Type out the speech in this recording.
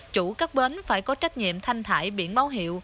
chủ các bến phải có trách nhiệm thanh thải biển báo hiệu